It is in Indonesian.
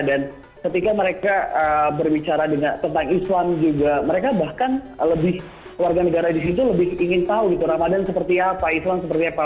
dan ketika mereka berbicara tentang islam juga mereka bahkan lebih warga negara di situ lebih ingin tahu gitu ramadhan seperti apa islam seperti apa